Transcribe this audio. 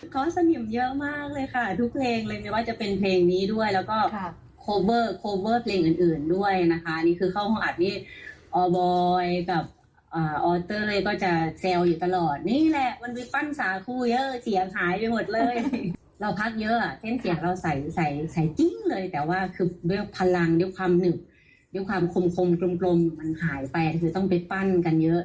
คุณผู้ชมคุณผู้ชมคุณผู้ชมคุณผู้ชมคุณผู้ชมคุณผู้ชมคุณผู้ชมคุณผู้ชมคุณผู้ชมคุณผู้ชมคุณผู้ชมคุณผู้ชมคุณผู้ชมคุณผู้ชมคุณผู้ชมคุณผู้ชมคุณผู้ชมคุณผู้ชมคุณผู้ชมคุณผู้ชมคุณผู้ชมคุณผู้ชมคุณผู้ชมคุณผู้ชมคุณผู้ชมคุณผู้ชมคุณผู้ชมคุณผู้